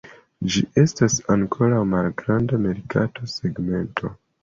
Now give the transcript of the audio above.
Ĝi estas ankaŭ malgranda merkato segmento.